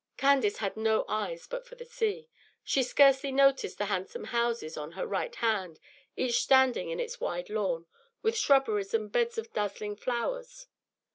Candace had no eyes but for the sea. She scarcely noticed the handsome houses on her right hand, each standing in its wide lawn, with shrubberies and beds of dazzling flowers.